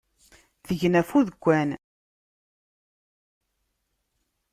Tgen ɣef udekkan.